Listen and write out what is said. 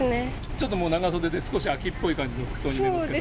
ちょっともう長袖で、少し秋っぽい服装に見えますけども。